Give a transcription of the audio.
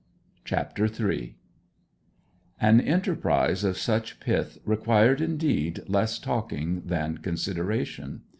CHAPTER III An enterprise of such pith required, indeed, less talking than consideration.